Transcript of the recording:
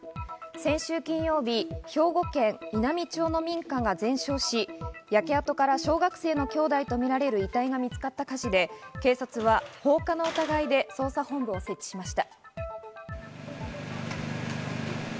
先週金曜日、兵庫県稲美町の民家が全焼し、焼け跡から小学生の兄弟とみられる遺体が見つかった火事で、警察は放火の疑いで捜査本部を設置しました。